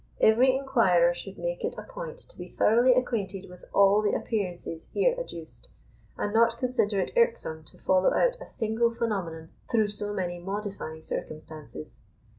Every inquirer should make it a point to be thoroughly acquainted with all the appearances here adduced, and not consider it irksome to follow out a single phenomenon through so many modifying circumstances.